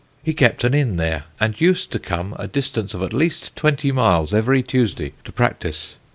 He kept an inn there, and used to come a distance of at least twenty miles every Tuesday to practise.